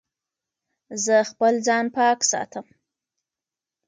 زه خپل ځان پاک ساتم.